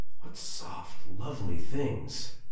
What soft lovely things!